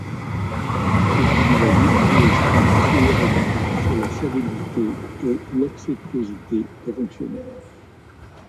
C’est une nouvelle humoristique et ironique sur la servilité et l'obséquiosité des fonctionnaires.